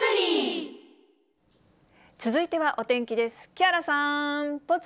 続いてはお天気です。